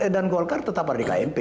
dan golkar tetap ada di kmp